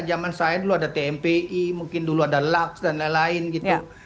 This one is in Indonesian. zaman saya dulu ada tmpi mungkin dulu ada lux dan lain lain gitu